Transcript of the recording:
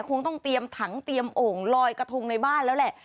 คงต้องเตรียมถังเตรียมโอ่งลอยกระทงในบ้านแล้วแหละ